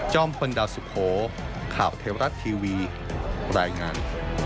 พลดาวสุโขข่าวเทวรัฐทีวีรายงาน